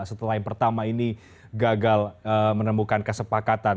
setelah yang pertama ini gagal menemukan kesepakatan